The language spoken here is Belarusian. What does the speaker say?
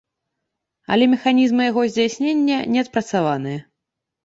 Але механізмы яго здзяйснення не адпрацаваныя.